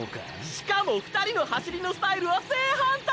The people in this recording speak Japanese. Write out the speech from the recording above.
しかも２人の走りのスタイルは正反対！！